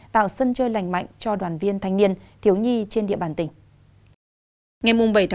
tạo sân chơi lành mạnh cho đoàn viên thanh niên thiếu nhi trên địa bàn tỉnh